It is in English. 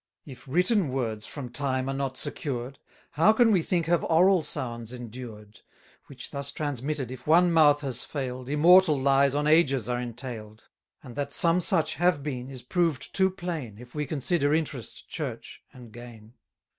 If written words from time are not secured, 270 How can we think have oral sounds endured? Which thus transmitted, if one mouth has fail'd, Immortal lies on ages are entail'd: And that some such have been, is proved too plain, If we consider interest, church, and gain.